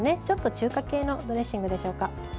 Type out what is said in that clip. ちょっと中華系のドレッシングでしょうか。